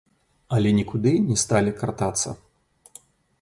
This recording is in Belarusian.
Але нікуды не сталі кратацца.